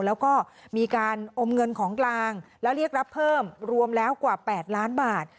แล้วก็มีการอมเงินของกลางแล้วเรียกรับเพิ่มรวมแล้วกว่า๘ล้านบาท